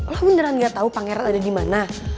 lo beneran gak tau pangeran ada dimana